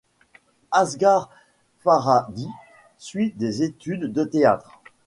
Asghar Farhadi suit des études de théâtre.